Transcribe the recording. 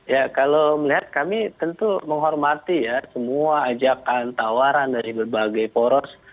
ya kalau melihat kami tentu menghormati ya semua ajakan tawaran dari berbagai poros